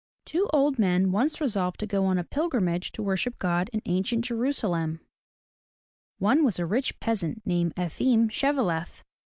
TWO old men once resolved to go on a pilgrimage to worship God in ancient Jerusalem. One was a rich peasant named E'fim Shev'e lef.